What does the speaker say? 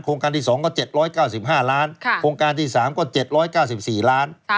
โครงการที่๒ก็๗๙๕ล้านโครงการที่๓ก็๗๙๔ล้าน